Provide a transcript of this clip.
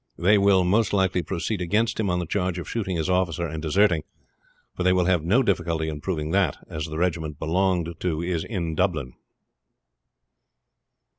They will most likely proceed against him on the charge of shooting his officer and deserting; for they will have no difficulty in proving that, as the regiment he belonged to is in Dublin."